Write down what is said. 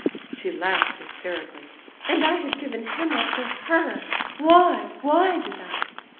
she laughed hysterically. "And I had given him up to her! Why—why did I?